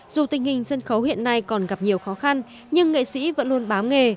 dù tình hình sân khấu hiện nay còn gặp nhiều khó khăn nhưng nghệ sĩ vẫn luôn báo nghề